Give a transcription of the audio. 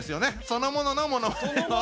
そのもののものまねを。